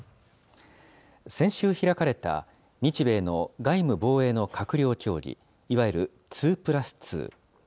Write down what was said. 先週開かれた、日米の外務・防衛の閣僚協議、いわゆる２プラス２。